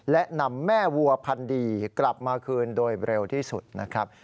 และนำแม่วัวพันดีกลับมาคืนโดยเร็วที่สุดนะครับ